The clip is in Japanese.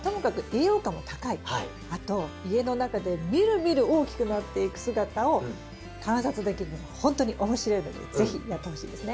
あと家の中でみるみる大きくなっていく姿を観察できるのがほんとに面白いので是非やってほしいですね。